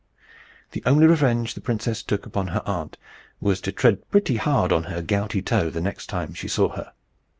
The only revenge the princess took upon her aunt was to tread pretty hard on her gouty toe the next time she saw her.